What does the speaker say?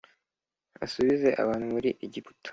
asubize abantu muri Egiputa